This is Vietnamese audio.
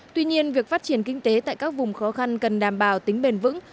tuy nhiên việc phát triển kinh tế tại các vùng khó khăn cần đảm bảo tính bền vững